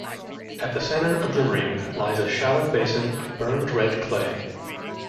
At the center of the ring lies a shallow basin of burned red clay.